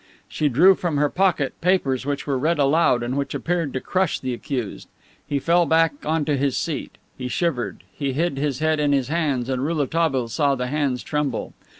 She drew from her pocket papers which were read aloud, and which appeared to crush the accused. He fell back onto his seat. He shivered. He hid his head in his hands, and Rouletabille saw the hands tremble.